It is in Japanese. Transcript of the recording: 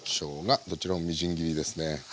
どちらもみじん切りですね。